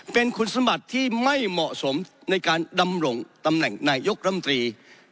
เป็นคุณสมบัติที่ไม่เหมาะสมในการดำรงตำแหน่งนายกรัมตรี